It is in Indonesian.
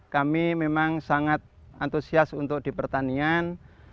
kami memang sangat antusias untuk di pertanian